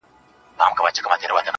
او ښه په ډاگه درته وايمه چي.